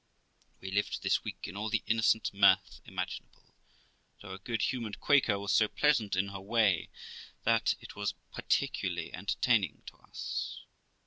We lived this week in all the innocent mirth imaginable, and our good humoured Quaker was so pleasant in her way that it was particularly entertaining to us.